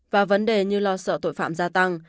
và vấn đề như lo sợ tội phạm gia tăng